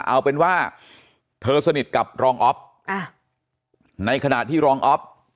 เอาเป็นว่าเธอสนิทกับรองอ๊อฟในขณะที่รองอ๊อฟ